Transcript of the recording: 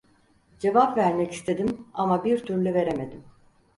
Cevap vermek istedim, ama bir türlü veremedim.